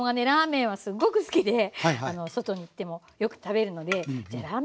ラーメンはすっごく好きで外に行ってもよく食べるのでじゃあ